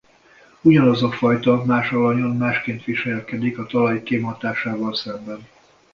Ugyanaz a fajta más alanyon másként viselkedik a talaj kémhatásával szemben.